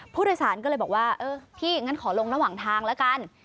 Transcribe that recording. ผู้โดยสารก็เลยบอกว่าเออพี่งั้นขอลงระหว่างทางแล้วกัน